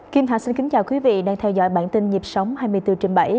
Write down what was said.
kim hạ xin kính chào quý vị đang theo dõi bản tin nghiệp sống hai mươi bốn trên bảy